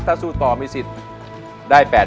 ถ้าสู้ต่อมีสิทธิ์ได้๘๐๐